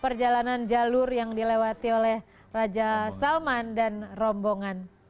perjalanan jalur yang dilewati oleh raja salman dan rombongan